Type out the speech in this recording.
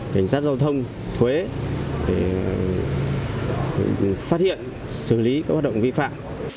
cảnh sát giao thông thuế phát hiện xử lý các hoạt động vi phạm